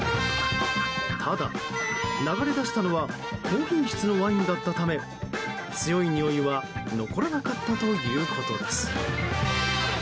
ただ、流れ出したのは高品質のワインだったため強いにおいは残らなかったということです。